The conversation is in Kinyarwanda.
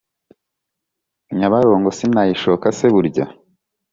Nyabarongo sinayishoka se burya